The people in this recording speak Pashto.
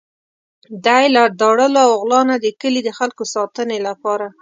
دی له داړلو او غلا نه د کلي د خلکو ساتنې لپاره.